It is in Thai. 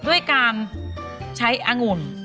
ด้วยการใช้องุ่น